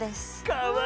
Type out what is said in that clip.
かわいい！